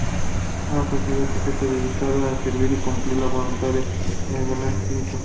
Una sociedad secreta dedicada a servir y cumplir la voluntad del Gran Espíritu.